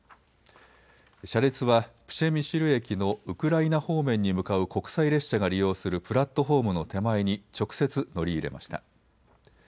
車列はプシェミシル駅のウクライナ方面に向かう国際列車が利用するプラットホームの手前に直接乗り入れました。